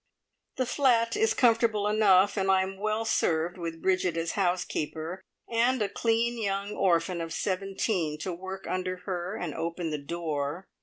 The flat is comfortable enough, and I am well served with Bridget as housekeeper, and a clean young orphan of seventeen to work under her and open the door.